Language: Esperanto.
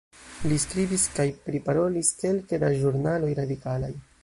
Li skribis kaj prilaboris kelke da ĵurnaloj radikalaj.